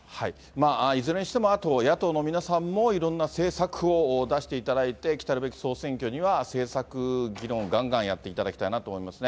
いずれにしても、あと、野党の皆さんもいろんな政策を出していただいて、来たるべき総選挙には総選挙には、政策議論をがんがんやっていただきたいなと思いますね。